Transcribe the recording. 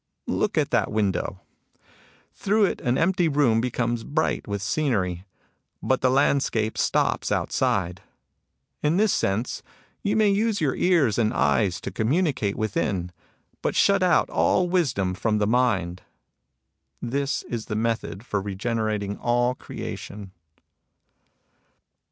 ... Look at that window. Through it an empty room becomes bright with scenery ; but the landscape stops outside. ... In this sense, you may use your ears and eyes to com municate within, but shut out all wisdom from the mind. ... This is the method for regener ating all creation."